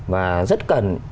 và rất cần